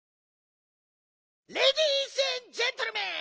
レディースエンドジェントルメン！